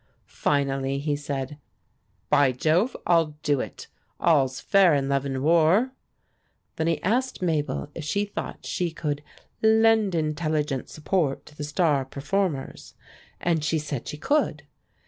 Finally he said: "By Jove! I'll do it. All's fair in love and war." Then he asked Mabel if she thought she could "lend intelligent support to the star performers," and she said she could.